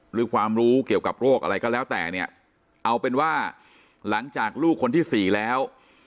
หรือความรู้เกี่ยวกับโรคอะไรก็แล้วแต่เนี่ยเอาเป็นว่าหลังจากลูกคนที่สี่แล้ว